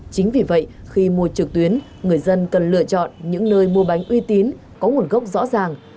chính vì vậy khi mua trực tuyến người dân cần lựa chọn những nơi mua bánh uy tín có nguồn gốc rõ ràng